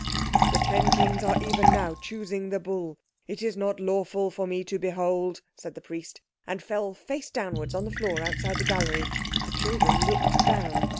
"The ten Kings are even now choosing the bull. It is not lawful for me to behold," said the priest, and fell face downward on the floor outside the gallery. The children looked down.